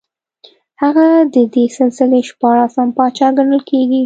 هغه د دې سلسلې شپاړسم پاچا ګڼل کېږي